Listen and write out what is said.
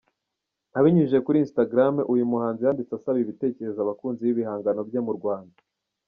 Abinyujije kuri Instagram, uyu muhanzi yanditse asaba ibitekerezo abakunzi b’ibihangano bye mu Rwanda.